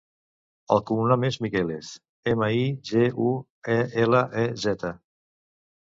El cognom és Miguelez: ema, i, ge, u, e, ela, e, zeta.